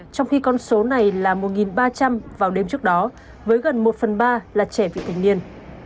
trong khi con số này là một ba trăm linh vào đêm trước đó với gần một phần ba là trẻ vị thành niên